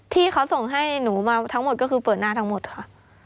ที่เขาส่งให้หนูมาทั้งหมดก็คือเปิดหน้าทั้งหมดค่ะ